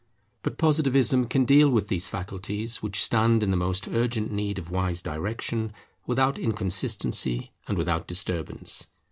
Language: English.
But Positivism can deal with these faculties which stand in the most urgent need of wise direction, without inconsistency and without disturbance.